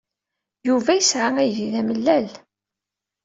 Yuba yesɛa aydi d amellal.